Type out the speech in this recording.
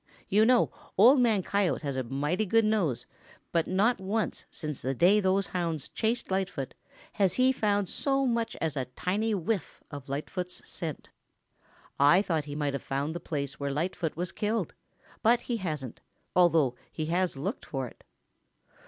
You know Old Man Coyote has a mighty good nose, but not once since the day those hounds chased Lightfoot has he found so much as a tiny whiff of Lightfoot's scent. I thought he might have found the place where Lightfoot was killed, but he hasn't, although he has looked for it.